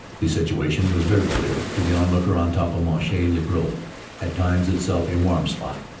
This situation was very clear to the onlooker on top of Monchy le Preux, at times itself a warm spot.